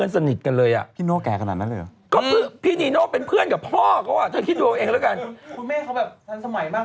จะแค่นั่งเลอค่าเนาะ